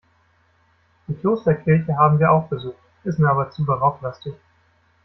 Die Klosterkirche haben wir auch besucht, ist mir aber zu barocklastig.